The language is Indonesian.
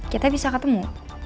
kita bisa ketemu